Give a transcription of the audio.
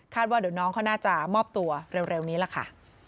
ว่าเดี๋ยวน้องเขาน่าจะมอบตัวเร็วนี้ล่ะค่ะ